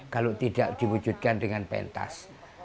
kalau tidak diwujudkan dengan pentas